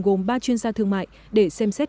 gồm ba chuyên gia thương mại để xem xét